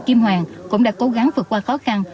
kim hoàng cũng đã cố gắng vượt qua khó khăn